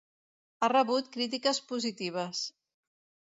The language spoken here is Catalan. Ha rebut crítiques positives.